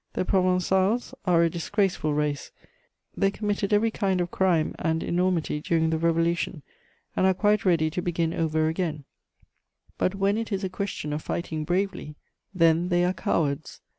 The Provençals are a disgraceful race; they committed every kind of crime and enormity during the Revolution, and are quite ready to begin over again: but when it is a question of fighting bravely, then they are cowards.